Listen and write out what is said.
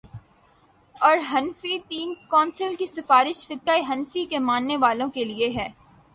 اورحنفی تین کونسل کی سفارش فقہ حنفی کے ماننے والوں کے لیے ہے۔